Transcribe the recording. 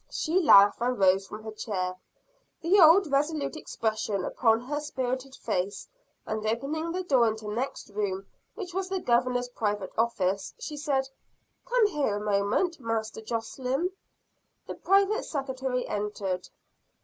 She laughed and rose from her chair; the old, resolute expression upon her spirited face, and, opening the door into the next room, which was the Governor's private office, she said: "Come here a moment, Master Josslyn." The private Secretary entered.